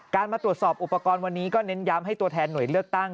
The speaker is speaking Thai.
มาตรวจสอบอุปกรณ์วันนี้ก็เน้นย้ำให้ตัวแทนหน่วยเลือกตั้ง